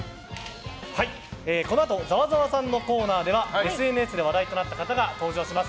このあとざわざわさんのコーナーではＳＮＳで話題となった方が登場します。